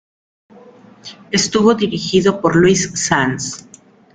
Estuvo dirigido por Luis Sanz.